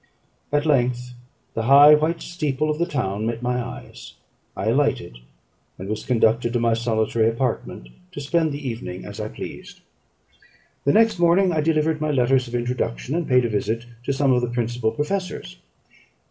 At length the high white steeple of the town met my eyes. I alighted, and was conducted to my solitary apartment, to spend the evening as I pleased. The next morning I delivered my letters of introduction, and paid a visit to some of the principal professors.